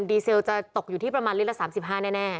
ดีเซลจะตกอยู่ที่ประมาณลิตรละ๓๕แน่